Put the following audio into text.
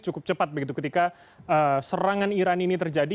cukup cepat begitu ketika serangan iran ini terjadi